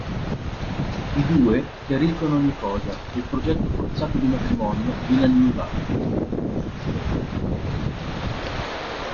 I due chiariscono ogni cosa e il progetto forzato di matrimonio viene annullato.